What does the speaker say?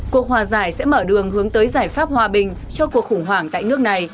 cuộc hòa giải sẽ mở đường hướng tới giải pháp hòa bình cho cuộc khủng hoảng tại nước này